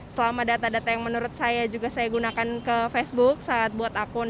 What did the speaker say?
selama data data yang menurut saya juga saya gunakan ke facebook saat buat akun